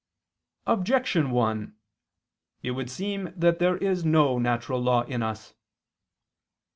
Objection 1: It would seem that there is no natural law in us.